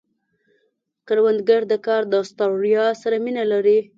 کروندګر د کار د ستړیا سره مینه لري